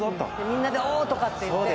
みんなで「おー！」とかって言って。